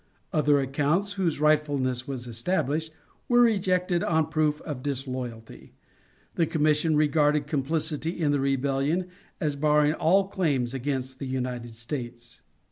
Other accounts, whose rightfulness was established, were rejected on proof of disloyalty. The commission regarded complicity in the rebellion as barring all claims against the United States.